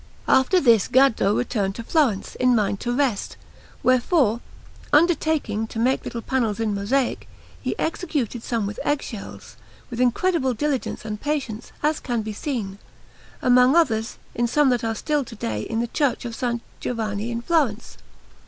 After this Gaddo returned to Florence, in mind to rest; wherefore, undertaking to make little panels in mosaic, he executed some with egg shells, with incredible diligence and patience, as can be seen, among others, in some that are still to day in the Church of S. Giovanni in Florence.